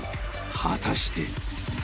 ［果たして？］